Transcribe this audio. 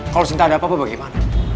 kalau sinta ada apa apa bagaimana